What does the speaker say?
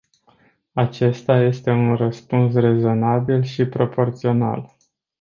Acesta este un răspuns rezonabil și proporțional.